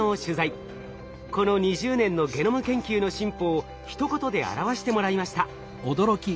この２０年のゲノム研究の進歩をひと言で表してもらいました。